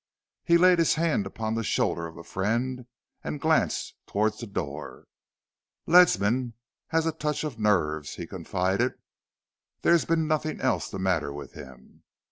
He laid his hand upon the shoulder of a friend, and glanced towards the door. "Ledsam's had a touch of nerves," he confided. "There's been nothing else the matter with him.